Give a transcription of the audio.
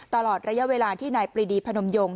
ตลอดระยะเวลาที่นายปรีดีพนมยง